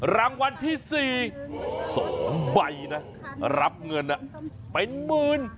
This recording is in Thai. รางวัลที่๔๒ใบนะรับเงินเป็นหมื่น